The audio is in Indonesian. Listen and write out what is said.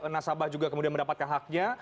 nasabah juga kemudian mendapatkan haknya